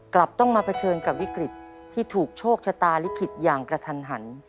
กลับต้องมาเผชิญกับวิกฤตที่ถูกโชคชะตาลิขิตอย่างกระทันหัน